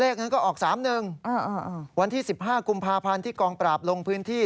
เลขนั้นก็ออกสามหนึ่งอ่าอ่าอ่าวันที่สิบห้ากุมภาพันธ์ที่กองปราบลงพื้นที่